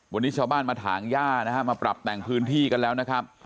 วันนี้ชาวบ้านมาถางย่านะฮะมาปรับแต่งพื้นที่กันแล้วนะครับ